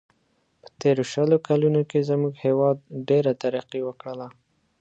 په تېرو شلو کلونو کې زموږ هیواد ډېره ترقي و کړله.